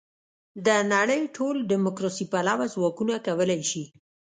د نړۍ ټول دیموکراسي پلوه ځواکونه کولای شي.